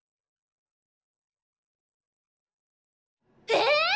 えっ！